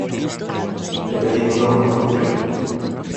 E pedimos logo información.